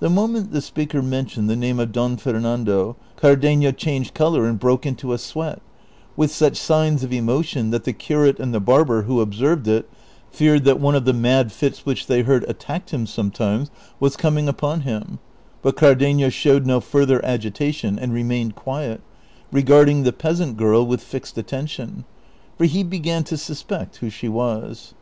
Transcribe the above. The moment the speaker mentioned the name of Don Fer nando, Cardenio changed color and broke into a sweat, with such signs of emotion that the curate and the barber, who observed it, feared that one of the mad fits wdiich they heard attacked him sometimes was coming upon him ; but Cardenio showed no further agitation and remained quiet, regarding the peasant girl with fixed attention, for he began to suspect who she was.